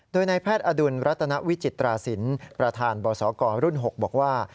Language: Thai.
โดยนายแพทย์อดุลรัตนวิจิตราศิลป์ประธานบศกรุ่น๖บอกว่า